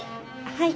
はい。